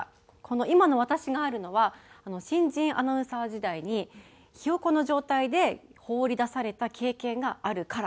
この今の私があるのは新人アナウンサー時代にひよこの状態で放り出された経験があるからこそなんです。